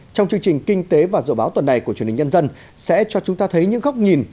trong chương trình kinh tế và dự báo tuần này của truyền hình nhân dân sẽ cho chúng ta thấy những góc nhìn